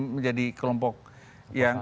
menjadi kelompok yang